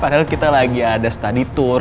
padahal kita lagi ada study tour